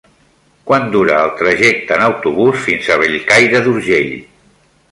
Quant dura el trajecte en autobús fins a Bellcaire d'Urgell?